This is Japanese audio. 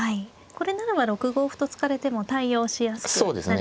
これならば６五歩と突かれても対応しやすくなりますか。